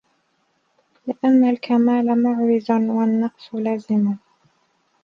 لِأَنَّ الْكَمَالَ مُعْوِزٌ وَالنَّقْصُ لَازِمٌ